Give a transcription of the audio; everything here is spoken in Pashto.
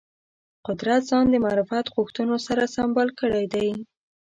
قدرت ځان د معرفت غوښتنو سره سمبال کړی دی